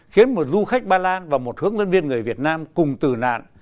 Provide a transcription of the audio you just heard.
khiến một du khách ba lan và một hướng dẫn viên người việt nam cùng tử nạn